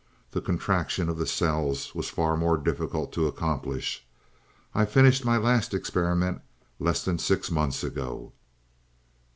The contraction of the cells was far more difficult to accomplish; I finished my last experiment less than six months ago."